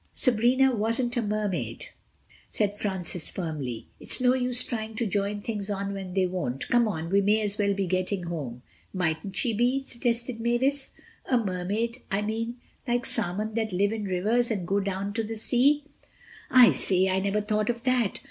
"Sabrina wasn't a Mermaid," said Francis firmly. "It's no use trying to join things on when they won't. Come on, we may as well be getting home." "Mightn't she be?" suggested Mavis. "A Mermaid, I mean. Like salmon that live in rivers and go down to the sea." "I say, I never thought of that.